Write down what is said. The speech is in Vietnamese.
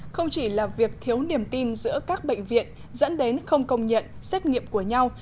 không chỉ là việc thiếu niềm tin giữa các bệnh viện dẫn đến không công nhận xét nghiệm của nhau